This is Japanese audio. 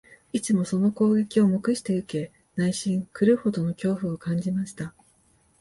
いつもその攻撃を黙して受け、内心、狂うほどの恐怖を感じました